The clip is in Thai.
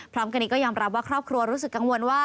พร้อมกันนี้ก็ยอมรับว่าครอบครัวรู้สึกกังวลว่า